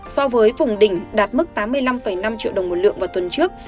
so với vùng đỉnh đạt mức tám mươi năm năm triệu đồng một lượng vào tuần trước